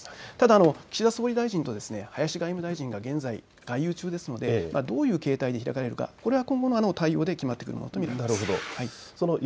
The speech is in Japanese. ただ岸田総理大臣と林外務大臣が現在、外遊中ですのでどういう形態で開かれるかこれは今後の対応で決まってくると思います。